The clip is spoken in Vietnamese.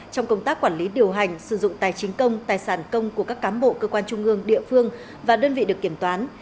trong công tác quản lý điều hành sử dụng tài chính công tài sản công của các cám bộ cơ quan trung ương địa phương và đơn vị được kiểm toán